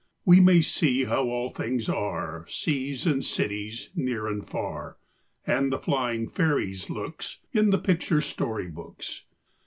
We may see how all things are, Seas and cities, near and far, And the flying fairies' looks, In the picture story books.